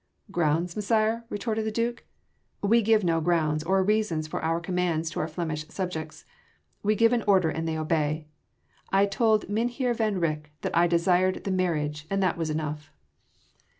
"Grounds, Messire?" retorted the Duke; "we give no grounds or reasons for our commands to our Flemish subjects. We give an order and they obey. I told Mynheer van Rycke that I desired the marriage and that was enough."